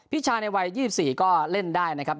พี่ชายในวัย๒๔ก็เล่นได้นะครับ